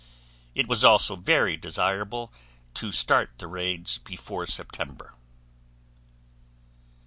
It was also very desirable to start the raids before September.